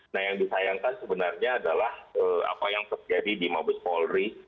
nah yang disayangkan sebenarnya adalah apa yang terjadi di mabes polri